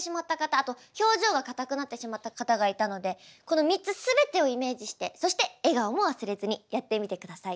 あと表情が硬くなってしまった方がいたのでこの３つすべてをイメージしてそして笑顔も忘れずにやってみてください。